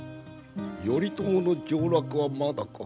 頼朝の上洛はまだか？